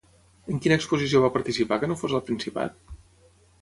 En quina exposició va participar que no fos al Principat?